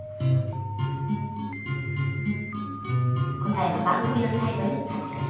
答えは番組の最後に発表します。